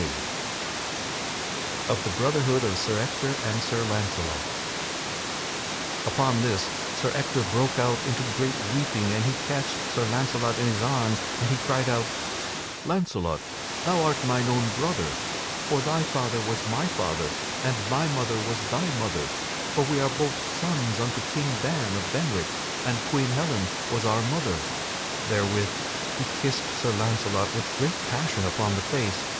[Sidenote: Of the brotherhood of Sir Ector and Sir Launcelot] Upon this Sir Ector broke out into great weeping and he catched Sir Launcelot in his arms and he cried out: "Launcelot, thou art mine own brother! For thy father was my father, and my mother was thy mother! For we are both sons unto King Ban of Benwick, and Queen Helen was our mother." Therewith he kissed Sir Launcelot with great passion upon the face.